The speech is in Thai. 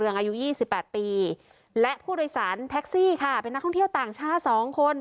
อายุ๒๘ปีและผู้โดยสารแท็กซี่ค่ะเป็นนักท่องเที่ยวต่างชาติ๒คน